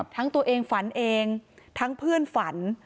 ทั้งตัวเองฝันเองทั้งเพื่อนฝัน